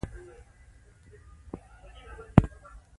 په ویښو زلمیانو او پیغلانو فخر وکړو.